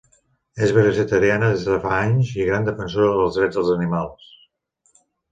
És vegetariana des de fa anys i gran defensora dels drets dels animals.